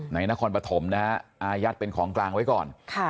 นครปฐมนะฮะอายัดเป็นของกลางไว้ก่อน